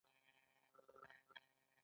د هېواد ټولې تولیدي منابع د دوی په لاس کې دي